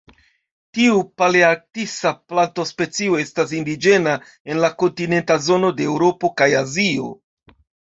Tiu palearktisa plantospecio estas indiĝena en la kontinenta zono de Eŭropo kaj Azio.